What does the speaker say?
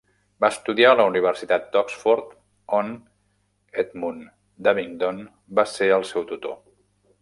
Va estudiar a la Universitat d'Oxford, on Edmund d'Abingdon va ser el seu tutor.